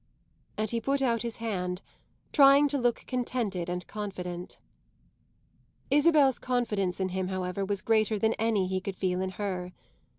And he put out his hand, trying to look contented and confident. Isabel's confidence in him, however, was greater than any he could feel in her.